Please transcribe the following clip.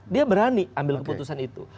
dia berani ambil keputusan itu